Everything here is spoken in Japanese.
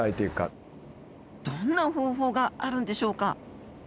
どんな方法があるんでしょうか？